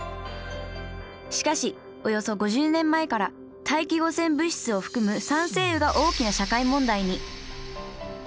しかしおよそ５０年前から大気汚染物質を含む酸性雨が大きな社会問題に。